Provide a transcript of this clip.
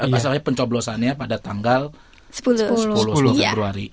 masalahnya pencoblosannya pada tanggal sepuluh februari